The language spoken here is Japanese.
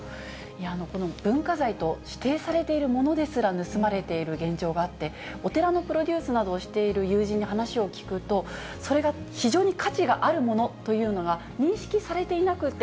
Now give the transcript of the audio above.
文化財と指定されているものですら盗まれている現状があって、お寺のプロデュースなどをしている友人に話を聞くと、それが非常に価値があるものというのが認識されていなくて、